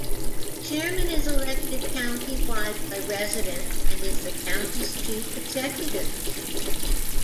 A chairman is elected countywide by residents and is the county's chief executive.